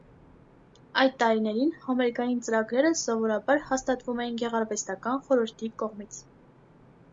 Այդ տարիներին համերգային ծրագրերը սովորաբար հաստատվում էին գեղարվեստական խորհրդի կողմից։